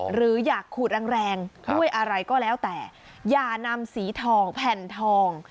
หรืออยากขูดแรงแรงด้วยอะไรก็แล้วแต่อย่านำสีทองแผ่นทอง